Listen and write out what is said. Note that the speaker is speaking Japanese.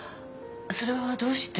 それはどうして？